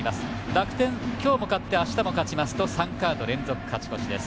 楽天、今日も勝ってあしたも勝ちますと３カード連続勝ち越しです。